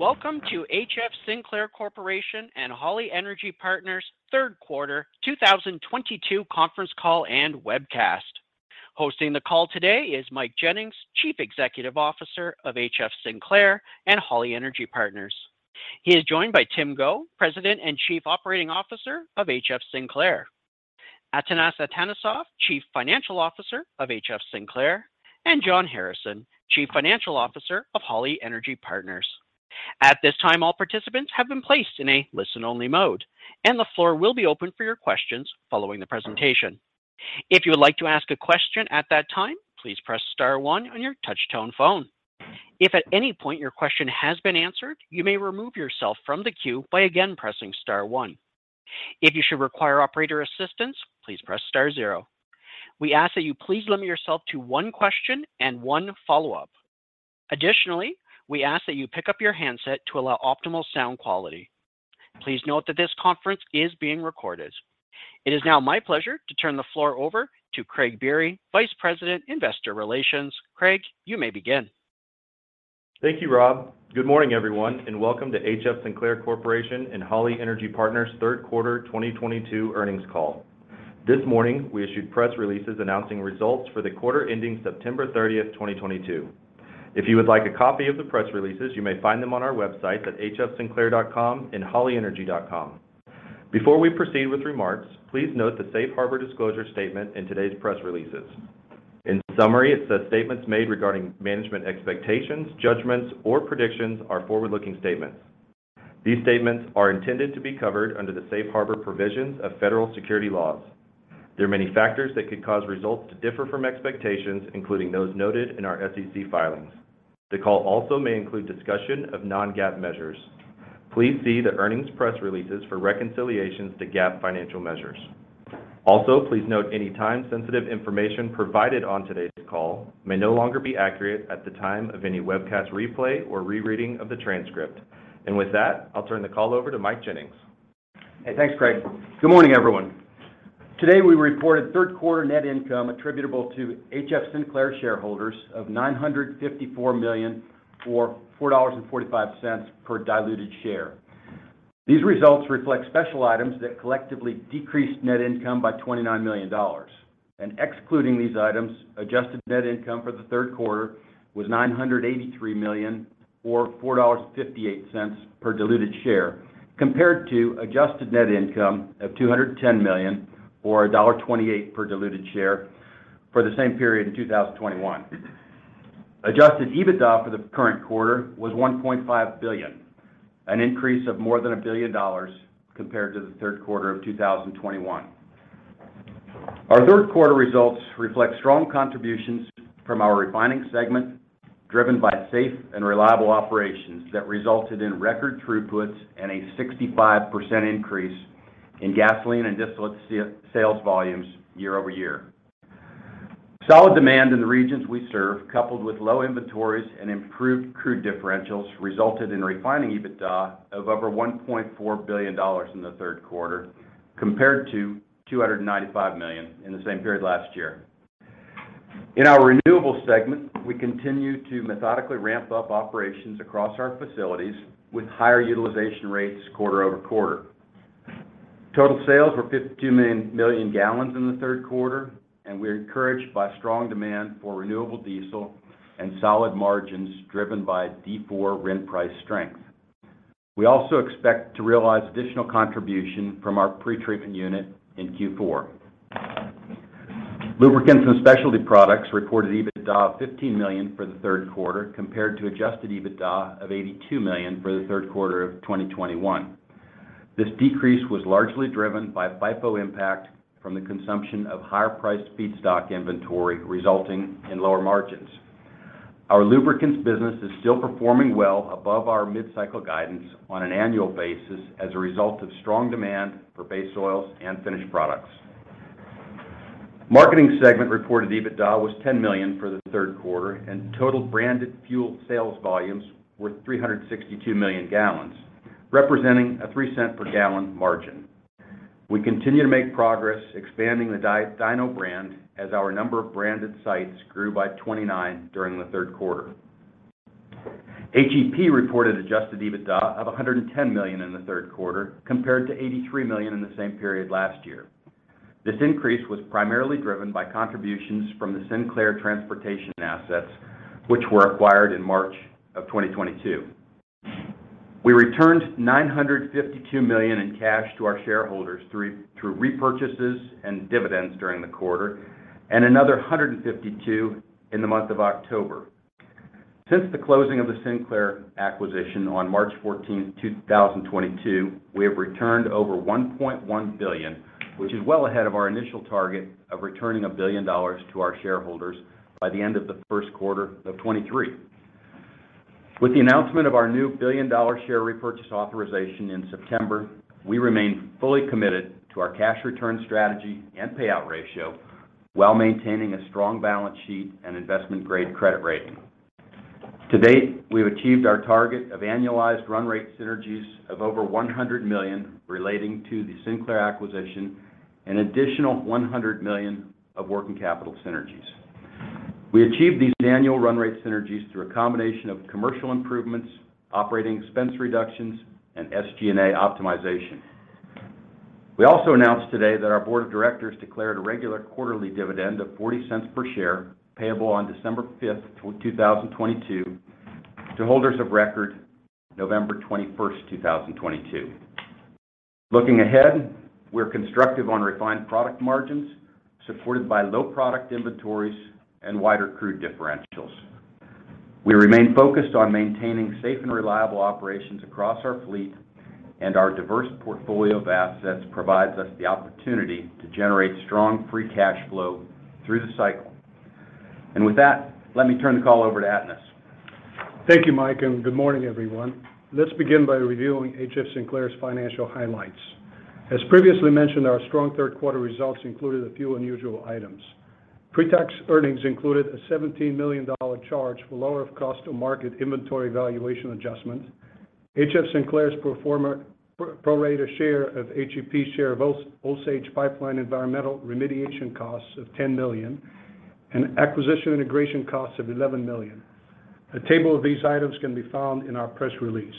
Welcome to HF Sinclair Corporation and Holly Energy Partners' third quarter 2022 conference call and webcast. Hosting the call today is Mike Jennings, Chief Executive Officer of HF Sinclair and Holly Energy Partners. He is joined by Tim Go, President and Chief Operating Officer of HF Sinclair. Atanas Atanasov, Chief Financial Officer of HF Sinclair, and John Harrison, Chief Financial Officer of Holly Energy Partners. At this time, all participants have been placed in a listen-only mode, and the floor will be open for your questions following the presentation. If you would like to ask a question at that time, please press star one on your touch-tone phone. If at any point your question has been answered, you may remove yourself from the queue by again pressing star one. If you should require operator assistance, please press star zero. We ask that you please limit yourself to one question and one follow-up. Additionally, we ask that you pick up your handset to allow optimal sound quality. Please note that this conference is being recorded. It is now my pleasure to turn the floor over to Craig Biery, Vice President, Investor Relations. Craig, you may begin. Thank you, Rob. Good morning, everyone, and welcome to HF Sinclair Corporation and Holly Energy Partners' third quarter 2022 earnings call. This morning, we issued press releases announcing results for the quarter ending September 30, 2022. If you would like a copy of the press releases, you may find them on our website at hfsinclair.com and hollyenergy.com. Before we proceed with remarks, please note the Safe Harbor disclosure statement in today's press releases. In summary, it says statements made regarding management expectations, judgments, or predictions are forward-looking statements. These statements are intended to be covered under the Safe Harbor provisions of federal security laws. There are many factors that could cause results to differ from expectations, including those noted in our SEC filings. The call also may include discussion of non-GAAP measures. Please see the earnings press releases for reconciliations to GAAP financial measures. Also, please note any time-sensitive information provided on today's call may no longer be accurate at the time of any webcast replay or rereading of the transcript. With that, I'll turn the call over to Mike Jennings. Hey, thanks, Craig. Good morning, everyone. Today, we reported third quarter net income attributable to HF Sinclair shareholders of $954 million or $4.45 per diluted share. These results reflect special items that collectively decreased net income by $29 million. Excluding these items, adjusted net income for the third quarter was $983 million or $4.58 per diluted share compared to adjusted net income of $210 million or $1.28 per diluted share for the same period in 2021. Adjusted EBITDA for the current quarter was $1.5 billion, an increase of more than $1 billion compared to the third quarter of 2021. Our third quarter results reflect strong contributions from our Refining segment, driven by safe and reliable operations that resulted in record throughputs and a 65% increase in gasoline and distillate sales volumes year-over-year. Solid demand in the regions we serve, coupled with low inventories and improved crude differentials, resulted in refining EBITDA of over $1.4 billion in the third quarter, compared to $295 million in the same period last year. In our Renewable segment, we continue to methodically ramp up operations across our facilities with higher utilization rates quarter-over-quarter. Total sales were 52 million gal in the third quarter, and we're encouraged by strong demand for renewable diesel and solid margins driven by D4 RIN price strength. We also expect to realize additional contribution from our pretreatment unit in Q4. Lubricants and Specialty products reported EBITDA of $15 million for the third quarter, compared to Adjusted EBITDA of $82 million for the third quarter of 2021. This decrease was largely driven by FIFO impact from the consumption of higher-priced feedstock inventory, resulting in lower margins. Our lubricants business is still performing well above our mid-cycle guidance on an annual basis as a result of strong demand for base oils and finished products. Marketing segment reported EBITDA was $10 million for the third quarter, and total branded fuel sales volumes were 362 million gallons, representing a $0.03 per gallon margin. We continue to make progress expanding the DINO brand as our number of branded sites grew by 29 during the third quarter. HEP reported Adjusted EBITDA of $110 million in the third quarter, compared to $83 million in the same period last year. This increase was primarily driven by contributions from the Sinclair transportation assets, which were acquired in March 2022. We returned $952 million in cash to our shareholders through repurchases and dividends during the quarter, and another $152 million in the month of October. Since the closing of the Sinclair acquisition on March 14, 2022, we have returned over $1.1 billion, which is well ahead of our initial target of returning $1 billion to our shareholders by the end of the first quarter of 2023. With the announcement of our new billion-dollar share repurchase authorization in September, we remain fully committed to our cash return strategy and payout ratio while maintaining a strong balance sheet and investment-grade credit rating. To date, we have achieved our target of annualized run rate synergies of over $100 million relating to the Sinclair acquisition, an additional $100 million of working capital synergies. We achieved these annual run rate synergies through a combination of commercial improvements, operating expense reductions, and SG&A optimization. We also announced today that our board of directors declared a regular quarterly dividend of $0.40 per share, payable on December 5, 2022, to holders of record November 21, 2022. Looking ahead, we're constructive on refined product margins, supported by low product inventories and wider crude differentials. We remain focused on maintaining safe and reliable operations across our fleet, and our diverse portfolio of assets provides us the opportunity to generate strong free cash flow through the cycle. With that, let me turn the call over to Atanas. Thank you, Mike, and good morning, everyone. Let's begin by reviewing HF Sinclair's financial highlights. As previously mentioned, our strong third quarter results included a few unusual items. Pre-tax earnings included a $17 million charge for lower of cost or market inventory valuation adjustments. HF Sinclair's pro rata share of HEP's share of Osage Pipe Line environmental remediation costs of $10 million, and acquisition integration costs of $11 million. A table of these items can be found in our press release.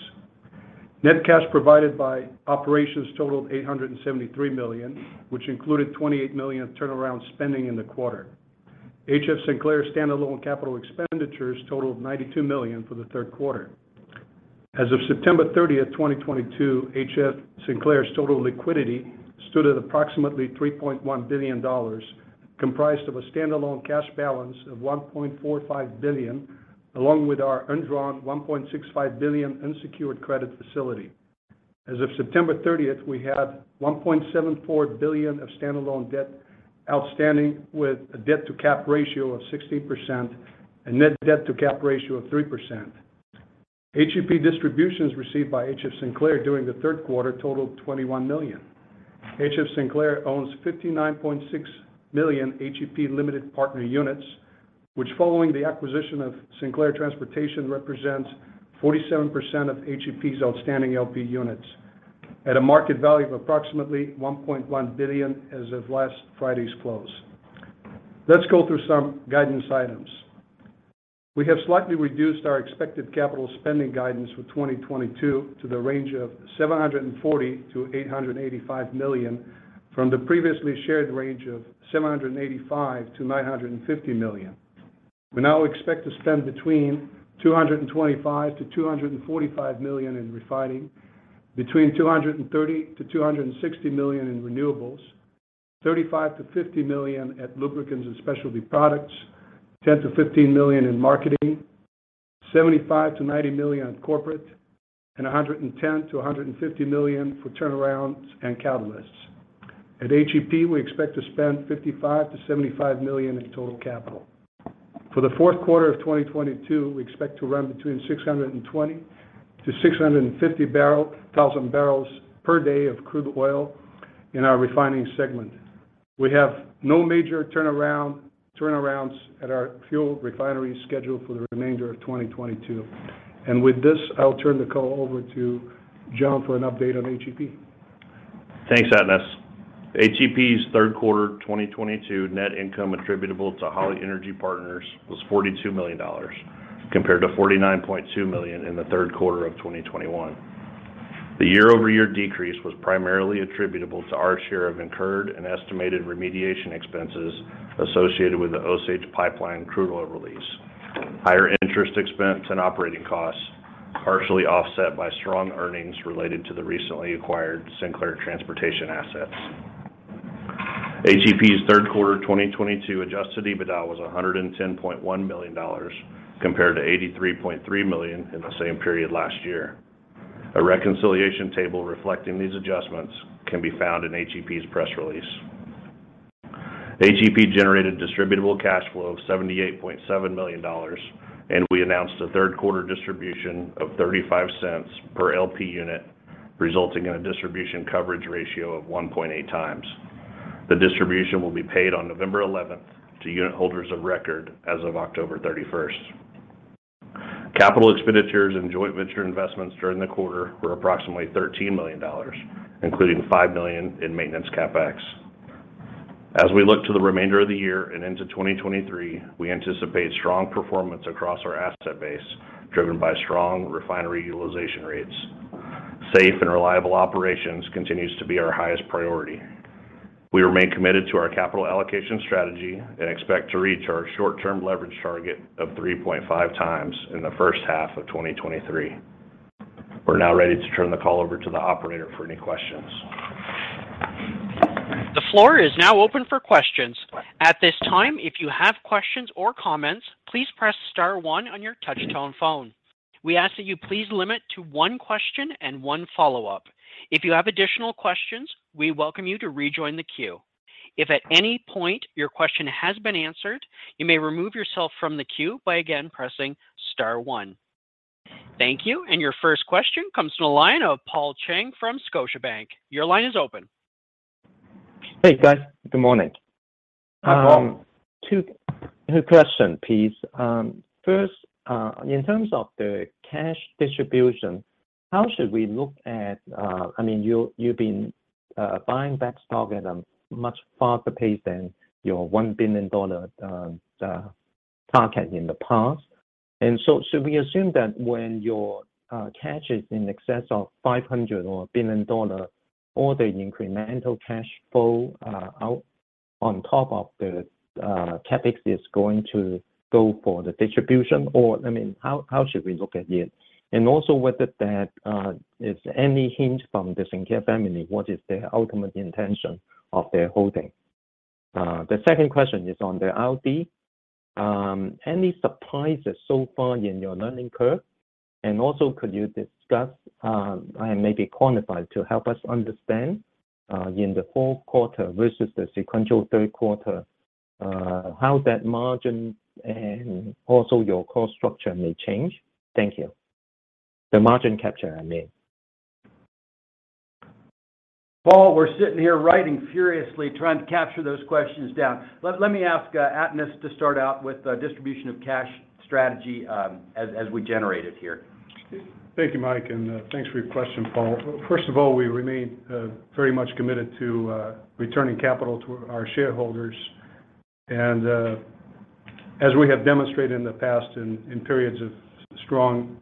Net cash provided by operations totaled $873 million, which included $28 million in turnaround spending in the quarter. HF Sinclair's standalone capital expenditures totaled $92 million for the third quarter. As of September 30, 2022, HF Sinclair's total liquidity stood at approximately $3.1 billion, comprised of a standalone cash balance of $1.45 billion, along with our undrawn $1.65 billion unsecured credit facility. As of September 13th, we had $1.74 billion of standalone debt outstanding, with a debt-to-cap ratio of 16% and net debt-to-cap ratio of 3%. HEP distributions received by HF Sinclair during the third quarter totaled $21 million. HF Sinclair owns 59.6 million HEP limited partner units, which following the acquisition of Sinclair Transportation Company, represents 47% of HEP's outstanding LP units at a market value of approximately $1.1 billion as of last Friday's close. Let's go through some guidance items. We have slightly reduced our expected capital spending guidance for 2022 to the range of $740 million-$885 million, from the previously shared range of $785 million-$950 million. We now expect to spend between $225 million-$245 million in Refining, between $230 million-$260 million in Renewables, $35 million-$50 million at lubricants and specialty products, $10 million-$15 million in marketing, $75 million-$90 million on corporate, and $110 million-$150 million for turnarounds and catalysts. At HEP, we expect to spend $55 million-$75 million in total capital. For the fourth quarter of 2022, we expect to run between 620,000 bbl-650,000 bbl per day of crude oil in our Refining segment. We have no major turnarounds at our fuel refinery scheduled for the remainder of 2022. With this, I'll turn the call over to John for an update on HEP. Thanks, Atanas. HEP's third quarter 2022 net income attributable to Holly Energy Partners was $42 million, compared to $49.2 million in the third quarter of 2021. The year-over-year decrease was primarily attributable to our share of incurred and estimated remediation expenses associated with the Osage Pipe Line crude oil release, higher interest expense and operating costs, partially offset by strong earnings related to the recently acquired Sinclair Transportation assets. HEP's third quarter 2022 Adjusted EBITDA was $110.1 million, compared to $83.3 million in the same period last year. A reconciliation table reflecting these adjustments can be found in HEP's press release. HEP generated distributable cash flow of $78.7 million, and we announced a third quarter distribution of $0.35 per LP unit, resulting in a distribution coverage ratio of 1.8x. The distribution will be paid on November 11 to unit holders of record as of October 31. Capital expenditures and joint venture investments during the quarter were approximately $13 million, including $5 million in maintenance CapEx. As we look to the remainder of the year and into 2023, we anticipate strong performance across our asset base, driven by strong refinery utilization rates. Safe and reliable operations continues to be our highest priority. We remain committed to our capital allocation strategy and expect to reach our short-term leverage target of 3.5x in the first half of 2023. We're now ready to turn the call over to the operator for any questions. The floor is now open for questions. At this time, if you have questions or comments, please press star one on your touch-tone phone. We ask that you please limit to one question and one follow-up. If you have additional questions, we welcome you to rejoin the queue. If at any point your question has been answered, you may remove yourself from the queue by, again, pressing star one. Thank you, and your first question comes from the line of Paul Cheng from Scotiabank. Your line is open. Hey, guys. Good morning. Hi, Paul. Two questions, please. First, in terms of the cash distribution. How should we look at? I mean, you're, you've been buying back stock at a much faster pace than your $1 billion target in the past. Should we assume that when your cash is in excess of $500 million or $1 billion, all the incremental cash flow out on top of the CapEx is going to go for the distribution? Or, I mean, how should we look at it? Also whether that is any hint from the Holly family, what is their ultimate intention of their holding? The second question is on the RD. Any surprises so far in your learning curve? Also, could you discuss, and maybe quantify to help us understand, in the fourth quarter versus the sequential third quarter, how that margin and also your cost structure may change? Thank you. The margin capture, I mean. Paul, we're sitting here writing furiously trying to capture those questions down. Let me ask Atanas to start out with the distribution of cash strategy, as we generate it here. Thank you, Mike, and thanks for your question, Paul. First of all, we remain very much committed to returning capital to our shareholders. As we have demonstrated in the past in periods of strong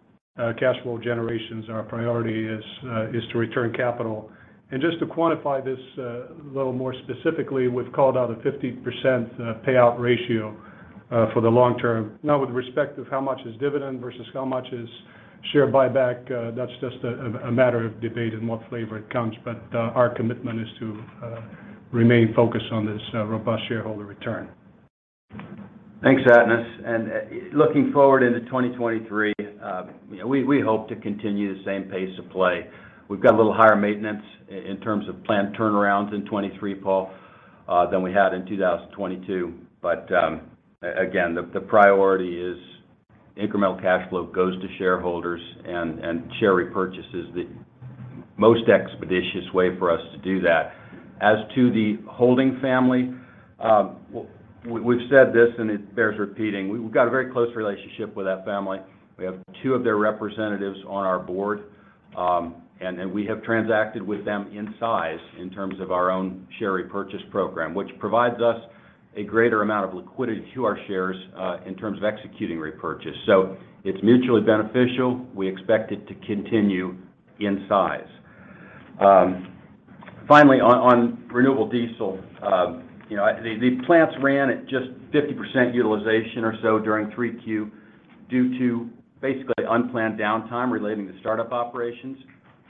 cash flow generations, our priority is to return capital. Just to quantify this a little more specifically, we've called out a 50% payout ratio for the long term. Not with respect to how much is dividend versus how much is share buyback. That's just a matter of debate in what flavor it comes. Our commitment is to remain focused on this robust shareholder return. Thanks, Atanas. Looking forward into 2023, we hope to continue the same pace of play. We've got a little higher maintenance in terms of planned turnarounds in 2023, Paul, than we had in 2022. Again, the priority is incremental cash flow goes to shareholders and share repurchase is the most expeditious way for us to do that. As to the holding family, we've said this and it bears repeating. We've got a very close relationship with that family. We have two of their representatives on our board. We have transacted with them in size in terms of our own share repurchase program, which provides us a greater amount of liquidity to our shares, in terms of executing repurchase. It's mutually beneficial. We expect it to continue in size. Finally on Renewable Diesel, the plants ran at just 50% utilization or so during 3Q due to basically unplanned downtime relating to startup operations.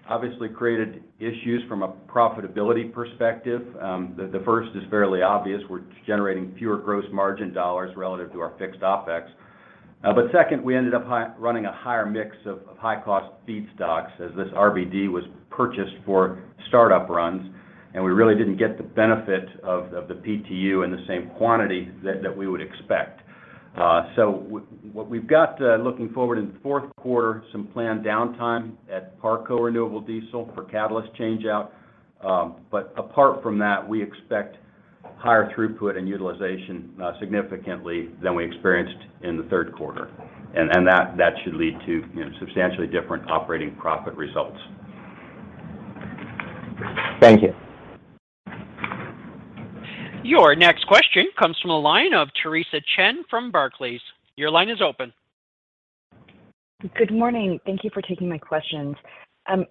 Obviously created issues from a profitability perspective. The first is fairly obvious. We're generating fewer gross margin dollars relative to our fixed OpEx. Second, we ended up running a higher mix of high-cost feedstocks as this RBD was purchased for startup runs, and we really didn't get the benefit of the PTU in the same quantity that we would expect. What we've got, looking forward in the fourth quarter, some planned downtime at Parco Renewable Diesel for catalyst change-out. Apart from that, we expect higher throughput and utilization, significantly than we experienced in the third quarter. That should lead to, you know, substantially different operating profit results. Thank you. Your next question comes from the line of Theresa Chen from Barclays. Your line is open. Good morning. Thank you for taking my questions.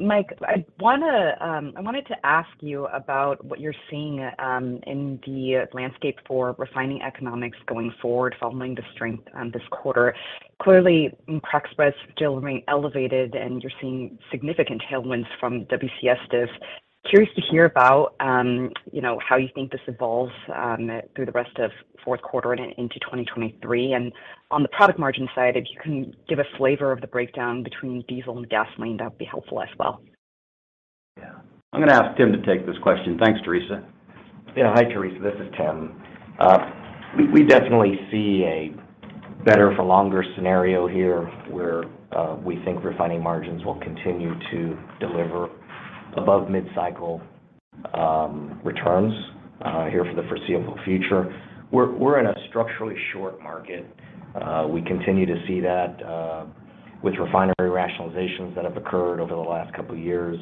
Mike, I wanted to ask you about what you're seeing in the landscape for refining economics going forward following the strength this quarter. Clearly, crack spreads still remain elevated, and you're seeing significant tailwinds from WCS diff. Curious to hear about you know, how you think this evolves through the rest of fourth quarter and into 2023. On the product margin side, if you can give a flavor of the breakdown between diesel and gasoline, that'd be helpful as well. Yeah. I'm gonna ask Tim to take this question. Thanks, Theresa. Yeah. Hi, Theresa. This is Tim. We definitely see a better for longer scenario here, where we think refining margins will continue to deliver above mid-cycle returns here for the foreseeable future. We're in a structurally short market. We continue to see that with refinery rationalizations that have occurred over the last couple years,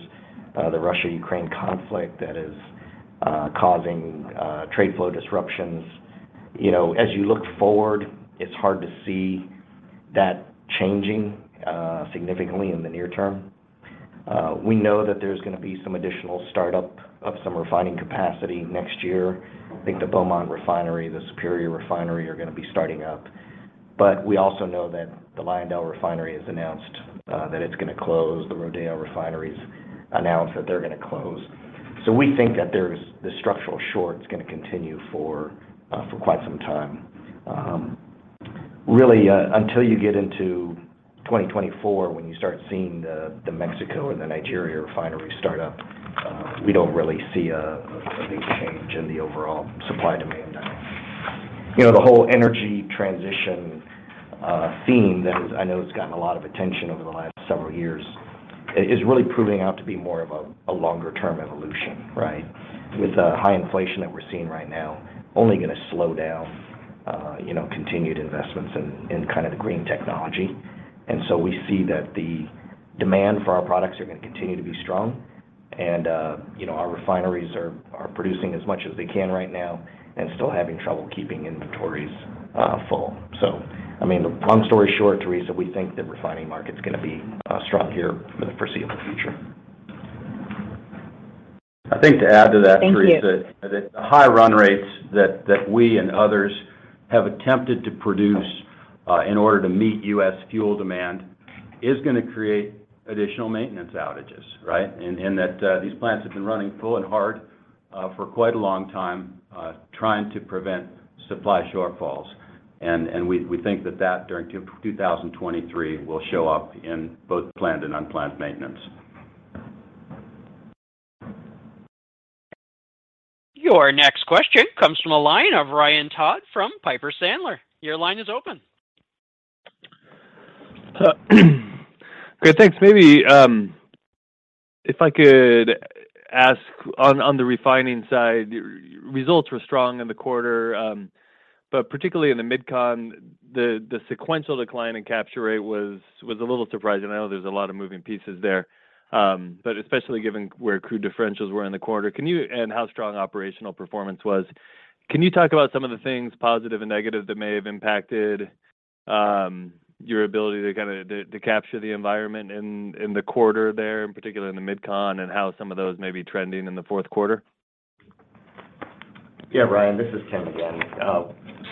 the Russia-Ukraine conflict that is causing trade flow disruptions. You know, as you look forward, it's hard to see that changing significantly in the near term. We know that there's gonna be some additional startup of some refining capacity next year. I think the Beaumont Refinery, the Superior Refinery are gonna be starting up. But we also know that the LyondellBasell Houston Refinery has announced that it's gonna close. The Rodeo Refinery's announced that they're gonna close. We think that there's the structural short's gonna continue for quite some time. Really, until you get into 2024, when you start seeing the Mexico and the Nigeria refinery start up, we don't really see a big change in the overall supply-demand dynamic. You know, the whole energy transition theme that I know has gotten a lot of attention over the last several years is really proving out to be more of a longer-term evolution, right? With the high inflation that we're seeing right now only gonna slow down, you know, continued investments in kind of the green technology. We see that the demand for our products are gonna continue to be strong. You know, our refineries are producing as much as they can right now and still having trouble keeping inventories full. I mean, the long story short, Theresa, we think the refining market's gonna be strong here for the foreseeable future. I think to add to that, Theresa. Thank you. The high run rates that we and others have attempted to produce in order to meet U.S. fuel demand is gonna create additional maintenance outages, right? That these plants have been running full and hard for quite a long time trying to prevent supply shortfalls. We think that during 2023 will show up in both planned and unplanned maintenance. Your next question comes from the line of Ryan Todd from Piper Sandler. Your line is open. Okay, thanks. Maybe if I could ask on the refining side, results were strong in the quarter, but particularly in the Mid-Con, the sequential decline in capture rate was a little surprising. I know there's a lot of moving pieces there. But especially given where crude differentials were in the quarter and how strong operational performance was. Can you talk about some of the things, positive and negative, that may have impacted your ability to capture the environment in the quarter there, in particular in the Mid-Con, and how some of those may be trending in the fourth quarter? Yeah, Ryan, this is Tim again.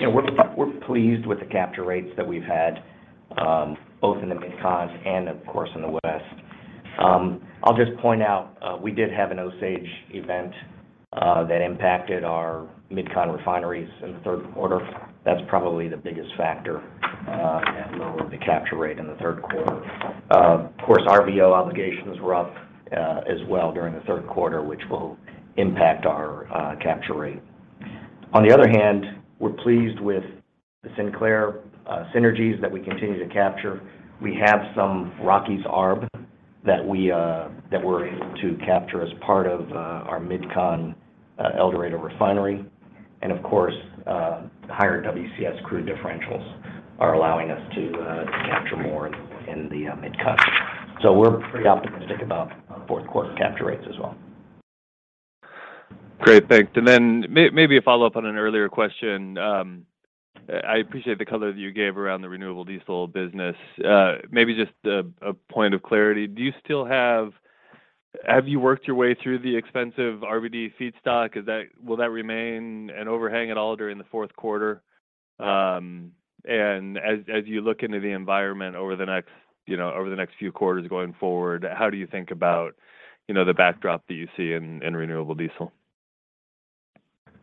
You know, we're pleased with the capture rates that we've had both in the Mid-Cons and, of course, in the West. I'll just point out we did have an Osage event that impacted our Mid-Con refineries in the third quarter. That's probably the biggest factor in lowering the capture rate in the third quarter. Of course, RVO obligations were up as well during the third quarter, which will impact our capture rate. On the other hand, we're pleased with the Sinclair synergies that we continue to capture. We have some Rockies arb that we're able to capture as part of our Mid-Con El Dorado Refinery. Of course, higher WCS crude differentials are allowing us to capture more in the Mid-Con. We're pretty optimistic about fourth quarter capture rates as well. Great. Thanks. Maybe a follow-up on an earlier question. I appreciate the color that you gave around the renewable diesel business. Maybe just a point of clarity. Have you worked your way through the expensive RBD feedstock? Will that remain an overhang at all during the fourth quarter? As you look into the environment over the next, you know, over the next few quarters going forward, how do you think about, you know, the backdrop that you see in Renewable Diesel?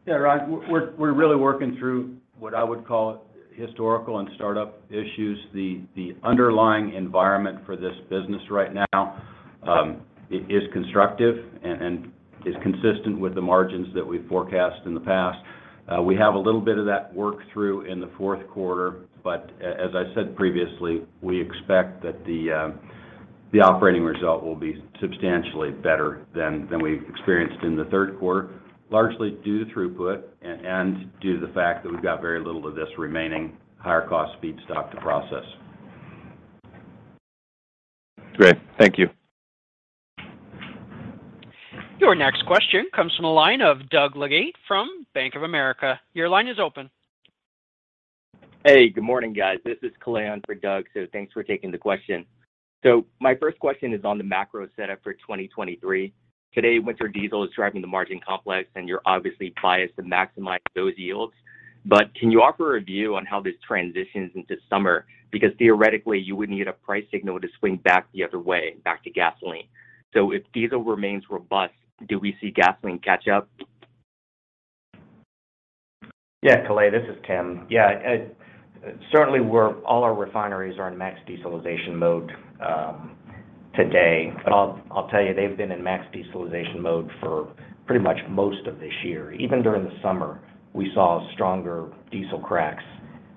Yeah, Ryan, we're really working through what I would call historical and startup issues. The underlying environment for this business right now, it is constructive and is consistent with the margins that we've forecast in the past. We have a little bit of that work through in the fourth quarter. As I said previously, we expect that the operating result will be substantially better than we experienced in the third quarter, largely due to throughput and due to the fact that we've got very little of this remaining higher cost feedstock to process. Great. Thank you. Your next question comes from the line of Doug Leggate from Bank of America. Your line is open. Hey, good morning, guys. This is uncertain on for Doug, so thanks for taking the question. My first question is on the macro setup for 2023. Today, winter diesel is driving the margin complex, and you're obviously biased to maximize those yields. Can you offer a view on how this transitions into summer? Because theoretically, you would need a price signal to swing back the other way, back to gasoline. If diesel remains robust, do we see gasoline catch up? Yeah, Kalei, this is Tim. Yeah, certainly all our refineries are in max dieselization mode today. I'll tell you, they've been in max dieselization mode for pretty much most of this year. Even during the summer, we saw stronger diesel cracks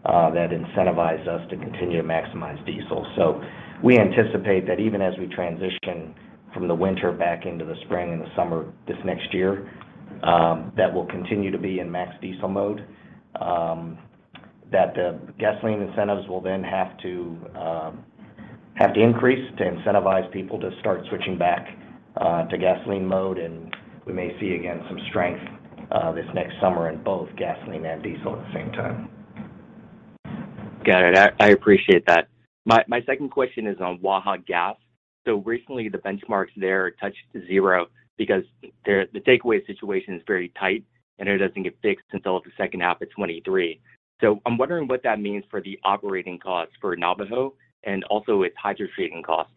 that incentivize us to continue to maximize diesel. We anticipate that even as we transition from the winter back into the spring and the summer this next year, that we'll continue to be in max diesel mode. That the gasoline incentives will then have to increase to incentivize people to start switching back to gasoline mode. We may see again some strength this next summer in both gasoline and diesel at the same time. Got it. I appreciate that. My second question is on Waha gas. Recently, the benchmarks there touched zero because the takeaway situation is very tight, and it doesn't get fixed until the second half of 2023. I'm wondering what that means for the operating costs for Navajo and also its hydrogenation cost.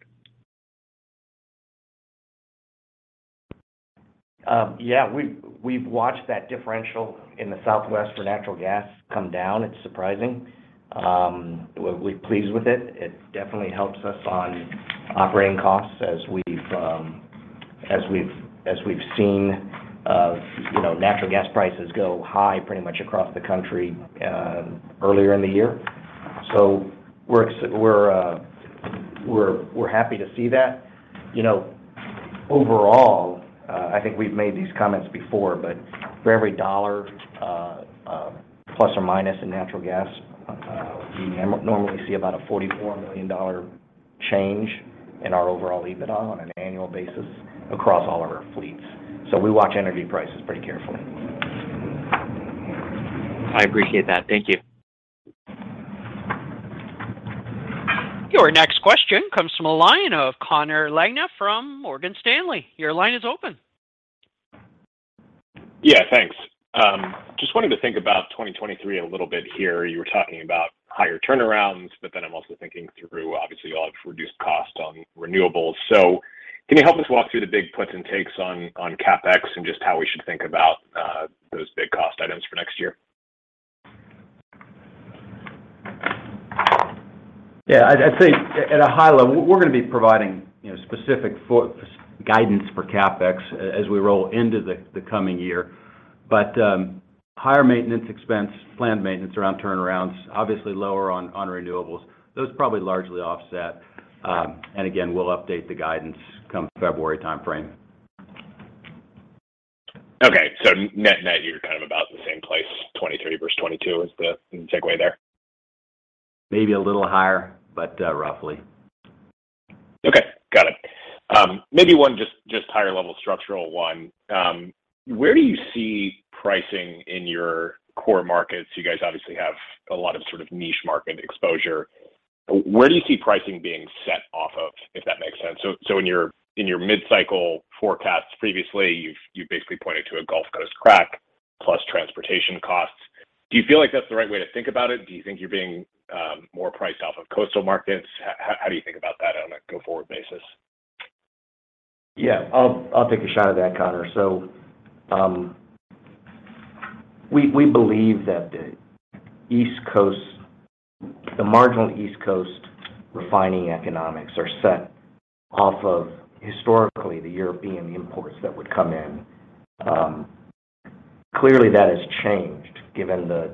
Yeah. We've watched that differential in the Southwest for natural gas come down. It's surprising. We're pleased with it. It definitely helps us on operating costs as we've seen, you know, natural gas prices go high pretty much across the country earlier in the year. We're happy to see that. You know, overall, I think we've made these comments before, but for every dollar plus or minus in natural gas, we normally see about a $44 million change in our overall EBITDA on an annual basis across all of our fleets. We watch energy prices pretty carefully. I appreciate that. Thank you. Your next question comes from a line of Connor Lynagh from Morgan Stanley. Your line is open. Yeah, thanks. Just wanted to think about 2023 a little bit here. You were talking about higher turnarounds, but then I'm also thinking through, obviously, you all have reduced costs on Renewables. Can you help us walk through the big puts and takes on CapEx and just how we should think about those big cost items for next year? Yeah, I'd say at a high level, we're gonna be providing, you know, specific guidance for CapEx as we roll into the coming year. Higher maintenance expense, planned maintenance around turnarounds, obviously lower on Renewables, those probably largely offset. Again, we'll update the guidance come February timeframe. Okay. Net, net, you're kind of about the same place, 2023 versus 2022 is the segue there? Maybe a little higher, but, roughly. Okay, got it. Maybe one just higher level structural one. Where do you see pricing in your core markets? You guys obviously have a lot of sort of niche market exposure. Where do you see pricing being set off of, if that makes sense? So in your mid-cycle forecast previously, you basically pointed to a Gulf Coast crack plus transportation costs. Do you feel like that's the right way to think about it? Do you think you're being more priced off of coastal markets? How do you think about that on a go-forward basis? Yeah. I'll take a shot at that, Connor. We believe that the East Coast, the marginal East Coast refining economics are set off of historically the European imports that would come in. Clearly that has changed given the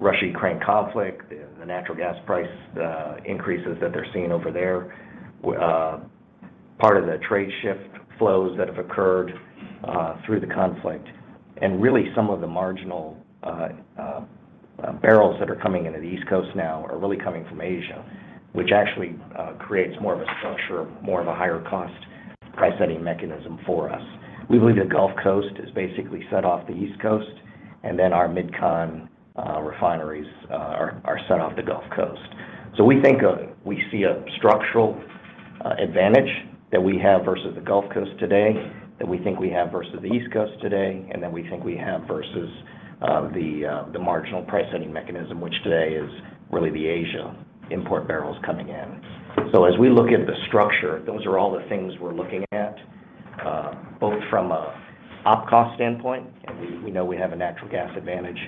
Russia-Ukraine conflict, the natural gas price increases that they're seeing over there. Part of the trade shift flows that have occurred through the conflict. Really some of the marginal barrels that are coming into the East Coast now are really coming from Asia, which actually creates more of a structure, more of a higher cost price setting mechanism for us. We believe the Gulf Coast is basically set off the East Coast, and then our Mid-Con refineries are set off the Gulf Coast. We see a structural advantage that we have versus the Gulf Coast today, that we think we have versus the East Coast today, and that we think we have versus the marginal price setting mechanism, which today is really the Asia import barrels coming in. As we look at the structure, those are all the things we're looking at both from an OpEx standpoint, and we know we have a natural gas advantage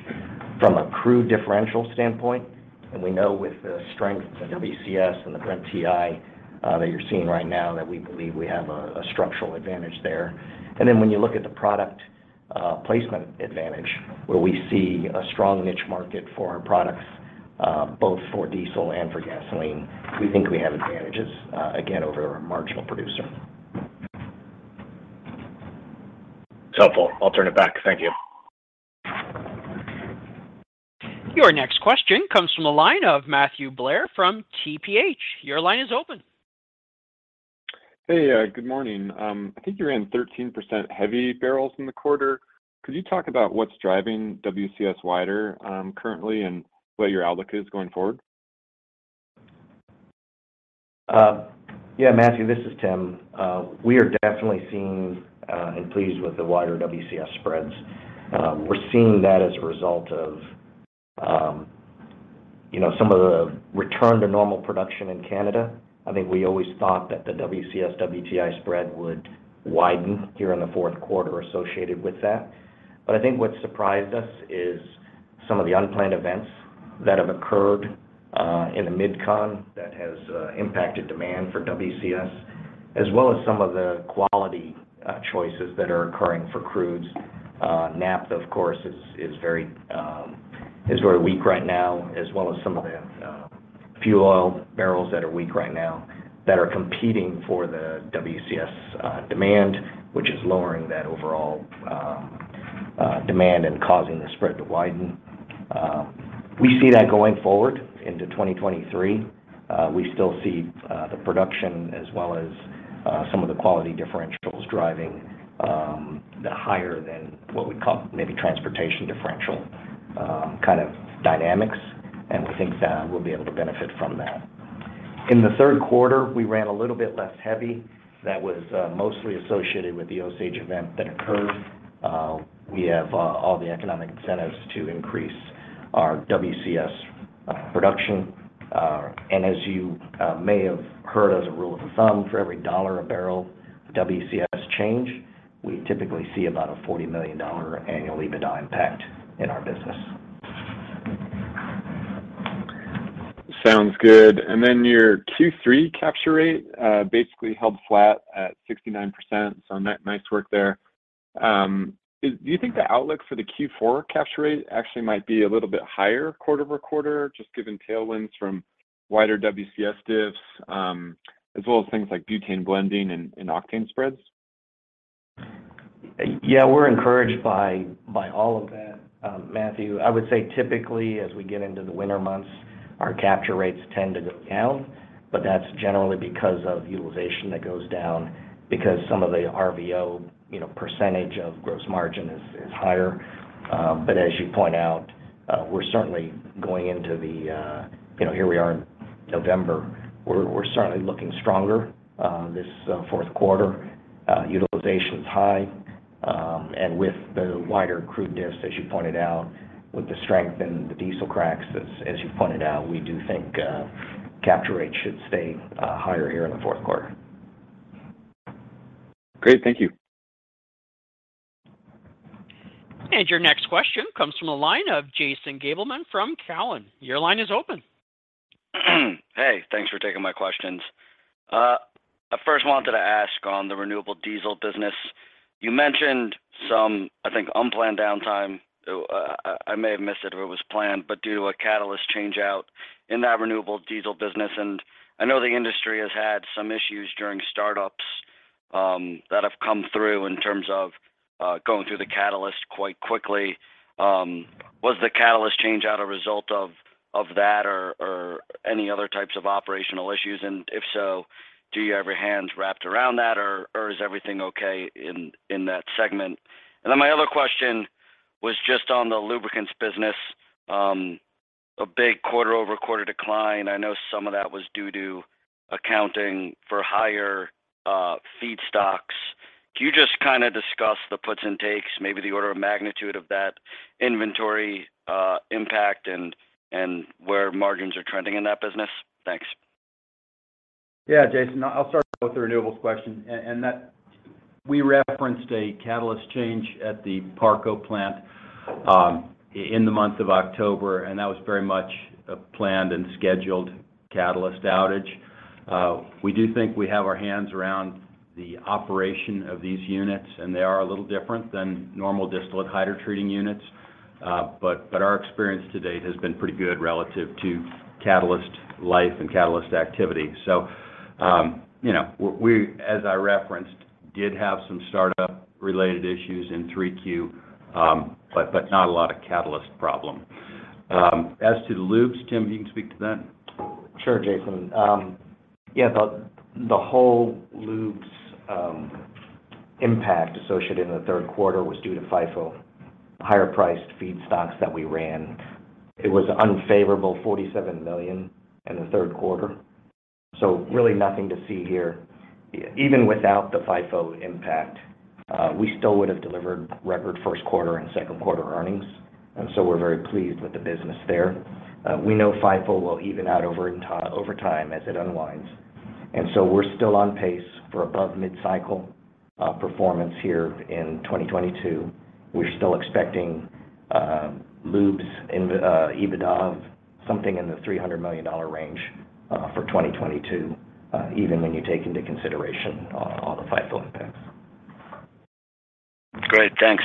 from a crude differential standpoint, and we know with the strength of WCS and the Brent-WTI spread that you're seeing right now that we believe we have a structural advantage there. When you look at the product placement advantage, where we see a strong niche market for our products, both for diesel and for gasoline, we think we have advantages, again, over a marginal producer. Helpful. I'll turn it back. Thank you. Your next question comes from the line of Matthew Blair from TPH & Co. Your line is open. Hey, good morning. I think you ran 13% heavy barrels in the quarter. Could you talk about what's driving WCS wider, currently, and what your outlook is going forward? Matthew, this is Tim. We are definitely seeing and pleased with the wider WCS spreads. We're seeing that as a result of, you know, some of the return to normal production in Canada. I think we always thought that the WCS-WTI spread would widen here in the fourth quarter associated with that. I think what surprised us is some of the unplanned events that have occurred in the Mid-Con that has impacted demand for WCS, as well as some of the quality choices that are occurring for crudes. Naphtha, of course, is very weak right now, as well as some of the fuel oil barrels that are weak right now that are competing for the WCS demand, which is lowering that overall demand and causing the spread to widen. We see that going forward into 2023. We still see the production as well as some of the quality differentials driving the higher than what we call maybe transportation differential kind of dynamics, and we think that we'll be able to benefit from that. In the third quarter, we ran a little bit less heavy. That was mostly associated with the Osage event that occurred. We have all the economic incentives to increase our WCS production. As you may have heard as a rule of thumb, for every $1 a barrel of WCS change, we typically see about a $40 million annual EBITDA impact in our business. Sounds good. Then your Q3 capture rate basically held flat at 69%, so nice work there. Do you think the outlook for the Q4 capture rate actually might be a little bit higher quarter-over-quarter, just given tailwinds from wider WCS diffs, as well as things like butane blending and octane spreads? Yeah, we're encouraged by all of that, Matthew. I would say typically, as we get into the winter months, our capture rates tend to go down, but that's generally because of utilization that goes down because some of the RVO, you know, percentage of gross margin is higher. As you point out, we're certainly going into the, you know, here we are in November. We're certainly looking stronger this fourth quarter. Utilization's high. With the wider crude diffs, as you pointed out, with the strength in the diesel cracks, as you pointed out, we do think capture rates should stay higher here in the fourth quarter. Great. Thank you. Your next question comes from the line of Jason Gabelman from Cowen. Your line is open. Hey, thanks for taking my questions. I first wanted to ask on the renewable diesel business. You mentioned some, I think, unplanned downtime. I may have missed it if it was planned, but due to a catalyst change-out in that renewable diesel business. I know the industry has had some issues during startups that have come through in terms of going through the catalyst quite quickly. Was the catalyst change-out a result of that or any other types of operational issues? If so, do you have your hands wrapped around that or is everything okay in that segment? My other question was just on the lubricants business. A big quarter-over-quarter decline. I know some of that was due to accounting for higher feedstocks. Can you just kinda discuss the puts and takes, maybe the order of magnitude of that inventory, impact and where margins are trending in that business? Thanks. Yeah, Jason, I'll start with the Renewables question. We referenced a catalyst change at the Parco plant in the month of October, and that was very much a planned and scheduled catalyst outage. We do think we have our hands around the operation of these units, and they are a little different than normal distillate hydrotreating units. But our experience to date has been pretty good relative to catalyst life and catalyst activity. You know, we, as I referenced, did have some startup-related issues in 3Q, but not a lot of catalyst problem. As to the lubes, Tim, you can speak to that. Sure, Jason. Yeah, the whole lubes impact associated in the third quarter was due to FIFO, higher-priced feedstocks that we ran. It was unfavorable $47 million in the third quarter, so really nothing to see here. Even without the FIFO impact, we still would have delivered record first quarter and second quarter earnings. We're very pleased with the business there. We know FIFO will even out over time as it unwinds. We're still on pace for above mid-cycle performance here in 2022. We're still expecting lubes EBITDA of something in the $300 million range for 2022, even when you take into consideration all the FIFO impacts. Great. Thanks.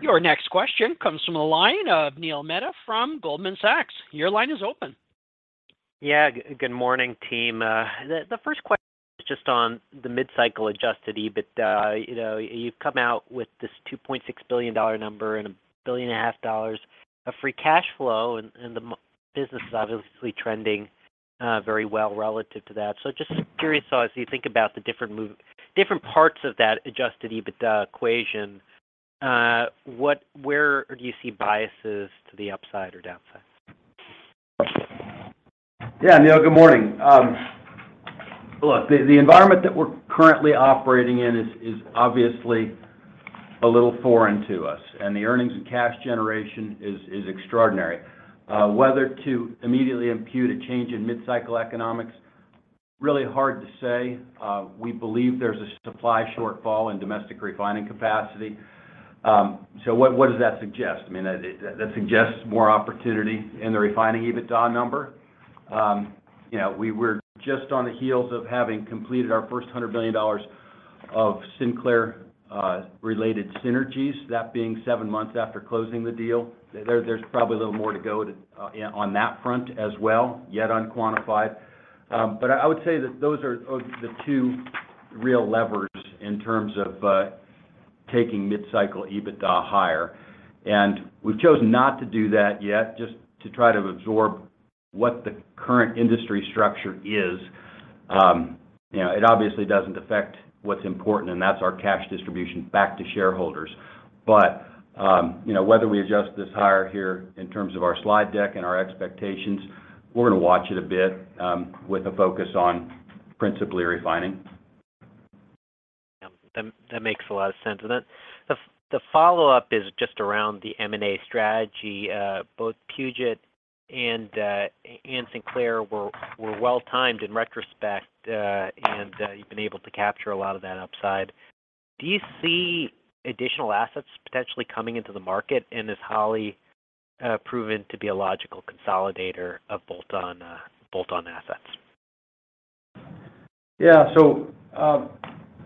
Your next question comes from the line of Neil Mehta from Goldman Sachs. Your line is open. Yeah. Good morning, team. The first question is just on the mid-cycle Adjusted EBITDA. You know, you've come out with this $2.6 billion number and $1.5 billion of free cash flow, and the business is obviously trending very well relative to that. Just curious though, as you think about the different parts of that Adjusted EBITDA equation, where do you see biases to the upside or downside? Yeah, Neil, good morning. Look, the environment that we're currently operating in is obviously a little foreign to us, and the earnings and cash generation is extraordinary. Whether to immediately impute a change in mid-cycle economics, really hard to say. We believe there's a supply shortfall in domestic refining capacity. So what does that suggest? I mean, that suggests more opportunity in the refining EBITDA number. You know, we were just on the heels of having completed our first $100 billion of Sinclair related synergies. That being seven months after closing the deal. There's probably a little more to go, you know, on that front as well, yet unquantified. I would say that those are the two real levers in terms of taking mid-cycle EBITDA higher. We've chosen not to do that yet, just to try to absorb what the current industry structure is. You know, it obviously doesn't affect what's important, and that's our cash distribution back to shareholders. You know, whether we adjust this higher here in terms of our slide deck and our expectations, we're gonna watch it a bit, with a focus on principally refining. That makes a lot of sense. The follow-up is just around the M&A strategy. Both Puget and Sinclair were well-timed in retrospect, and you've been able to capture a lot of that upside. Do you see additional assets potentially coming into the market in this highly proven to be a logical consolidator of bolt-on assets. Yeah.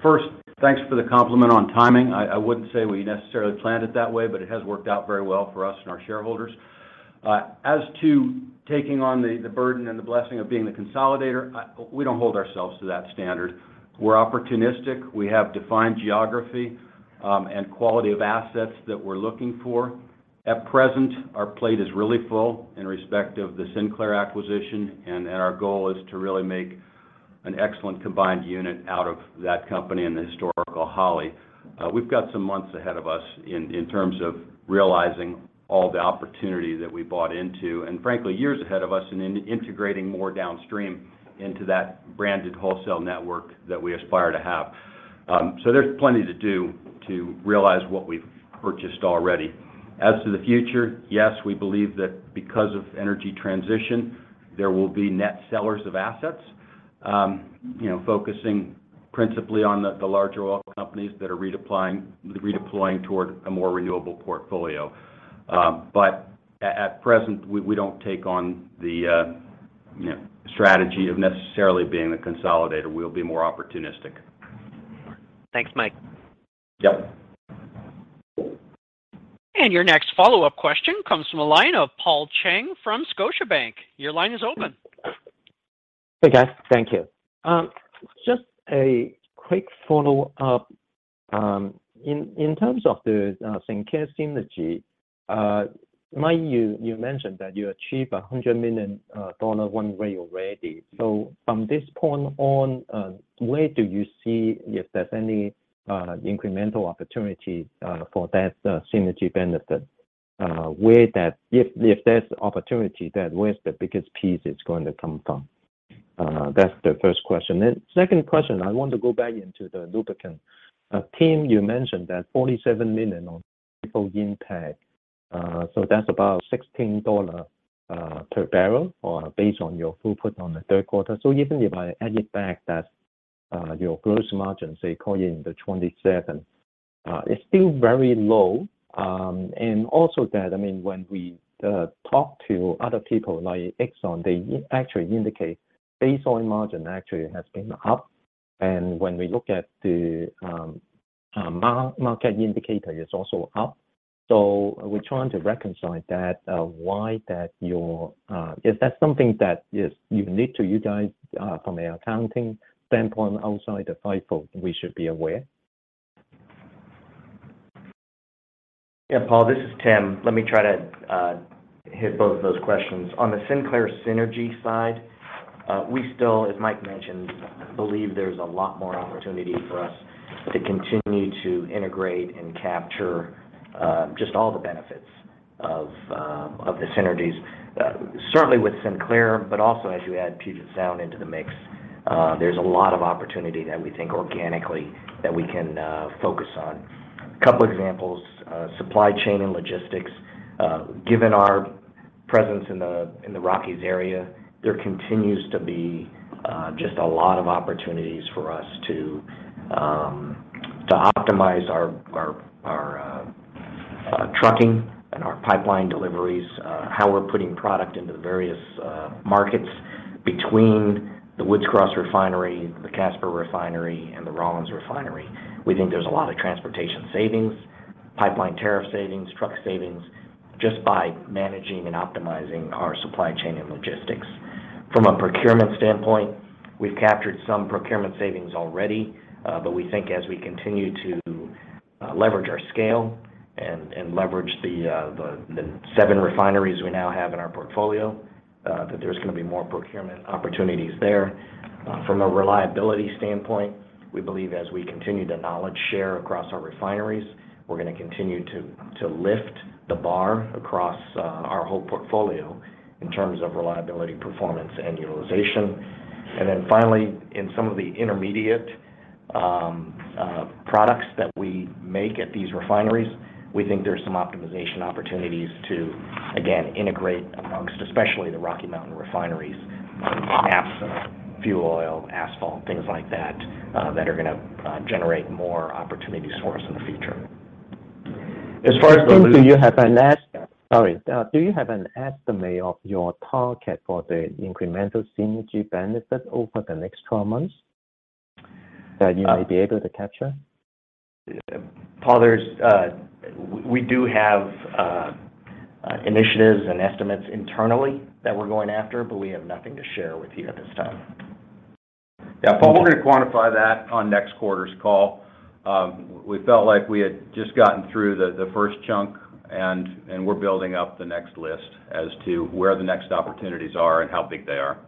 First, thanks for the compliment on timing. I wouldn't say we necessarily planned it that way, but it has worked out very well for us and our shareholders. As to taking on the burden and the blessing of being the consolidator, we don't hold ourselves to that standard. We're opportunistic. We have defined geography and quality of assets that we're looking for. At present, our plate is really full in respect of the Sinclair acquisition, and our goal is to really make an excellent combined unit out of that company and the historical Holly. We've got some months ahead of us in terms of realizing all the opportunity that we bought into, and frankly, years ahead of us in integrating more downstream into that branded wholesale network that we aspire to have. There's plenty to do to realize what we've purchased already. As to the future, yes, we believe that because of energy transition, there will be net sellers of assets, you know, focusing principally on the larger oil companies that are redeploying toward a more Renewable portfolio. At present, we don't take on the, you know, strategy of necessarily being the consolidator. We'll be more opportunistic. Thanks, Mike. Yep. Your next follow-up question comes from the line of Paul Cheng from Scotiabank. Your line is open. Hey, guys. Thank you. Just a quick follow-up. In terms of the Sinclair synergy, Mike, you mentioned that you achieved $100 million run rate already. From this point on, where do you see if there's any incremental opportunity for that synergy benefit? If there's opportunity there, where is the biggest piece it's going to come from? That's the first question. Second question, I want to go back into the lubricant. Tim, you mentioned that $47 million on FIFO impact. That's about $16 per barrel or based on your throughput on the third quarter. Even if I add it back, that's your gross margin, say, call it in the 27. It's still very low. Also that, I mean, when we talk to other people like Exxon, they actually indicate base oil margin actually has been up. When we look at the market indicator, it's also up. We're trying to reconcile that, why is that your. Is that something that is unique to you guys from an accounting standpoint outside the FIFO we should be aware? Yeah, Paul, this is Tim. Let me try to hit both of those questions. On the Sinclair synergy side, we still, as Mike mentioned, believe there's a lot more opportunity for us to continue to integrate and capture just all the benefits of the synergies, certainly with Sinclair, but also as you add Puget Sound into the mix. There's a lot of opportunity that we think organically that we can focus on. A couple examples, supply chain and logistics. Given our presence in the Rockies area, there continues to be just a lot of opportunities for us to optimize our trucking and our pipeline deliveries, how we're putting product into the various markets between the Woods Cross Refinery, the Casper Refinery, and the Rawlins Refinery. We think there's a lot of transportation savings, pipeline tariff savings, truck savings, just by managing and optimizing our supply chain and logistics. From a procurement standpoint, we've captured some procurement savings already, but we think as we continue to leverage our scale and leverage the seven refineries we now have in our portfolio, that there's gonna be more procurement opportunities there. From a reliability standpoint, we believe as we continue to knowledge share across our refineries, we're gonna continue to lift the bar across our whole portfolio in terms of reliability, performance, and utilization. Finally, in some of the intermediate products that we make at these refineries, we think there's some optimization opportunities to, again, integrate amongst, especially the Rocky Mountain refineries, naphtha, fuel oil, asphalt, things like that are gonna generate more opportunities for us in the future. As far as- Go ahead. Do you have an estimate of your target for the incremental synergy benefit over the next 12 months that you may be able to capture? Paul, we do have initiatives and estimates internally that we're going after, but we have nothing to share with you at this time. Yeah. Paul, we're gonna quantify that on next quarter's call. We felt like we had just gotten through the first chunk, and we're building up the next list as to where the next opportunities are and how big they are.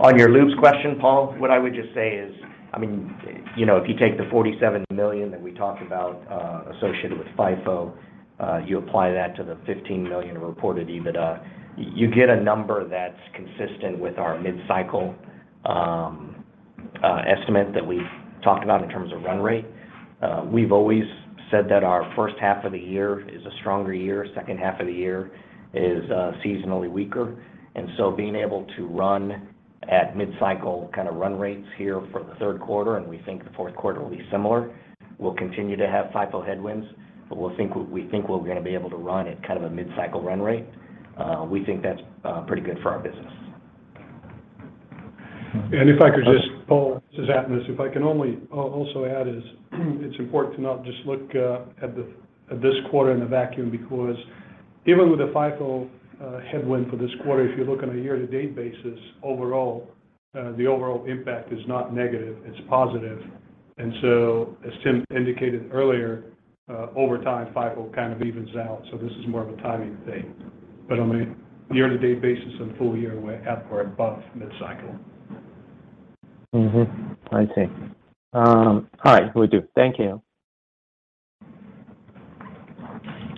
On your lubes question, Paul, what I would just say is, I mean, you know, if you take the $47 million that we talked about associated with FIFO, you apply that to the $15 million reported EBITDA, you get a number that's consistent with our mid-cycle estimate that we've talked about in terms of run rate. We've always said that our first half of the year is a stronger year, second half of the year is seasonally weaker. Being able to run at mid-cycle kind of run rates here for the third quarter, and we think the fourth quarter will be similar. We'll continue to have FIFO headwinds, but we think we're gonna be able to run at kind of a mid-cycle run rate. We think that's pretty good for our business. Paul, this is Atanas. Also, it's important to not just look at this quarter in a vacuum. Because even with the FIFO headwind for this quarter, if you look on a year-to-date basis, overall, the overall impact is not negative, it's positive. As Tim indicated earlier, over time, FIFO kind of evens out, so this is more of a timing thing. On a year-to-date basis and full year, we're at or above mid-cycle. Mm-hmm. I see. All right. Will do. Thank you.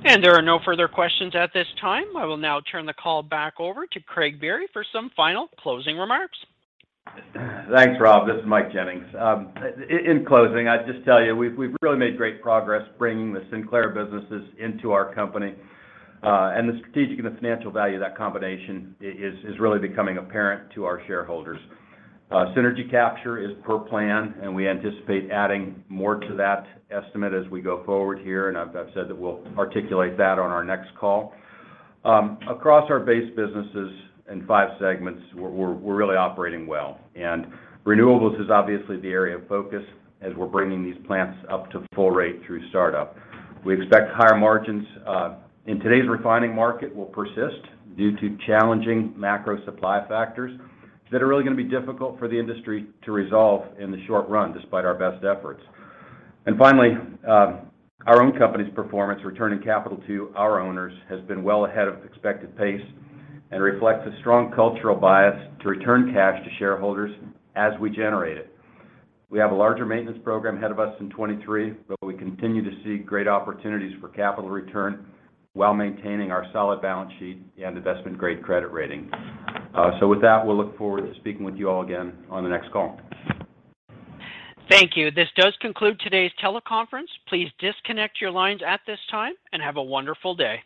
There are no further questions at this time. I will now turn the call back over to Craig Biery for some final closing remarks. Thanks, Rob. This is Mike Jennings. In closing, I'd just tell you, we've really made great progress bringing the Sinclair businesses into our company. The strategic and the financial value of that combination is really becoming apparent to our shareholders. Synergy capture is per plan, and we anticipate adding more to that estimate as we go forward here, and I've said that we'll articulate that on our next call. Across our base businesses in five segments, we're really operating well. Renewables is obviously the area of focus as we're bringing these plants up to full rate through startup. We expect higher margins in today's Refining market will persist due to challenging macro supply factors that are really gonna be difficult for the industry to resolve in the short run, despite our best efforts. Finally, our own company's performance, returning capital to our owners, has been well ahead of expected pace and reflects a strong cultural bias to return cash to shareholders as we generate it. We have a larger maintenance program ahead of us in 2023, but we continue to see great opportunities for capital return while maintaining our solid balance sheet and investment-grade credit rating. With that, we'll look forward to speaking with you all again on the next call. Thank you. This does conclude today's teleconference. Please disconnect your lines at this time, and have a wonderful day.